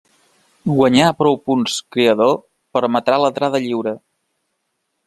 Guanyar prou Punts Creador permetrà l'entrada lliure.